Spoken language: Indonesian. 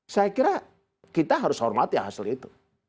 saya kira kita harus hormati hasil itu